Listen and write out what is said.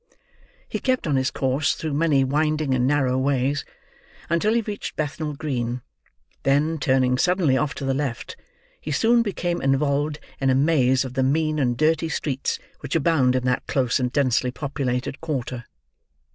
He kept on his course, through many winding and narrow ways, until he reached Bethnal Green; then, turning suddenly off to the left, he soon became involved in a maze of the mean and dirty streets which abound in that close and densely populated quarter.